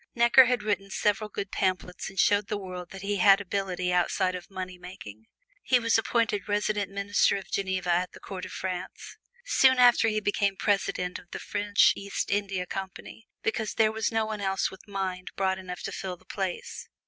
Necker had written several good pamphlets and showed the world that he had ability outside of money making. He was appointed Resident Minister of Geneva at the Court of France. Soon after he became President of the French East India Company, because there was no one else with mind broad enough to fill the place.